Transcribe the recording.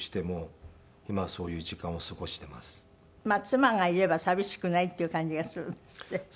妻がいれば寂しくないっていう感じがするんですって？